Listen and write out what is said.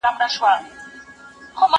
بيزو وان چي سو پناه د دېوال شا ته